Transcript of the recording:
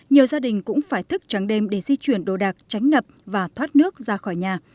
nhiều gia đình cũng phải thức trắng đêm để di chuyển đồ đạc tránh ngập và thoát nước ra khỏi nhà